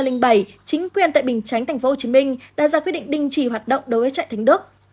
năm hai nghìn bảy chính quyền tại bình chánh tp hcm đã ra quyết định đình chỉ hoạt động đối với trại thánh đức